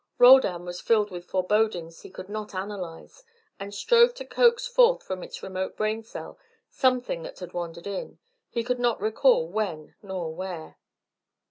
Roldan was filled with forebodings he could not analyse, and strove to coax forth from its remote brain cell something that had wandered in, he could not recall when nor where.